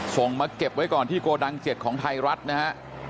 ส่งมาเก็บไว้ก่อนที่โกดัง๗ของไทยรัฐนะฮะ